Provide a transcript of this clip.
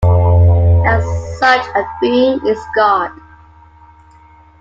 And such a being is God.